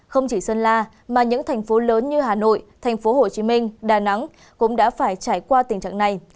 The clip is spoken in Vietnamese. không chỉ sơn la mà những thành phố lớn như hà nội thành phố hồ chí minh đà nẵng cũng đã phải trải qua tình trạng này